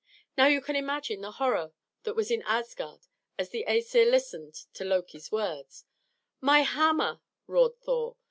Now you can imagine the horror that was in Asgard as the Æsir listened to Loki's words. "My hammer!" roared Thor.